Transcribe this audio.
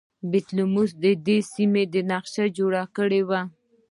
بطلیموس د دې سیمې نقشه جوړه کړې وه